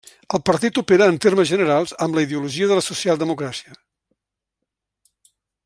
El partit opera en termes generals amb la ideologia de la socialdemocràcia.